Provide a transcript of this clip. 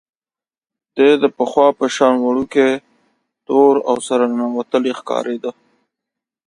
دی د پخوا په شان وړوکی، تور او سره ننوتلی ښکارېده.